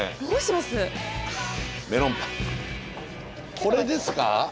これですか？